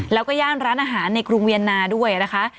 แล้วก็ย่านร้านอาหารในกรุงเวียนนาด้วยนะคะ